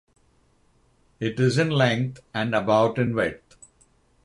It is in length and about in width.